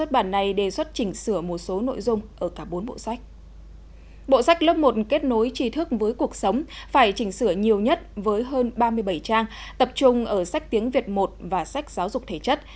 bộ sách lớp một kết nối trí thức với cuộc sống phải chỉnh sửa nhiều nhất với hơn ba mươi bảy trang tập trung ở sách tiếng việt một và sách giáo dục thể chất